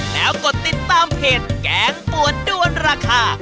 แล้วกดติดตามเพจแกงปวดด้วนราคา